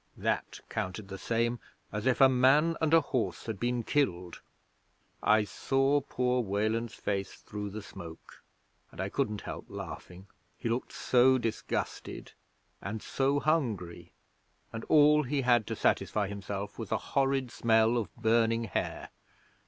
That counted the same as if a man and a horse had been killed. I saw poor Weland's face through the smoke, and I couldn't help laughing. He looked so disgusted and so hungry, and all he had to satisfy himself was a horrid smell of burning hair.